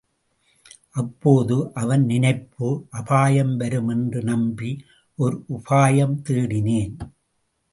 அப்போது அவன் நினைப்பு அபாயம் வரும் என்று நம்பி ஒர் உபாயம் தேடினேன்.